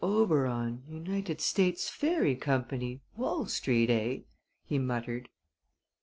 Oberon, United States Fairy Company, Wall Street, eh?" he muttered.